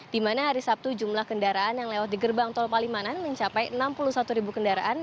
di mana hari sabtu jumlah kendaraan yang lewat di gerbang tol palimanan mencapai enam puluh satu ribu kendaraan